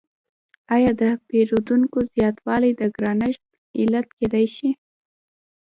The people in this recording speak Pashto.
آیا د پیرودونکو زیاتوالی د ګرانښت علت کیدای شي؟